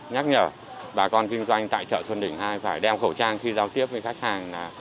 nhắc nhở bà con kinh doanh tại chợ xuân đình ii phải đeo khẩu trang khi giao tiếp với khách hàng là